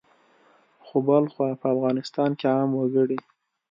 خو بلخوا په افغانستان کې عام وګړي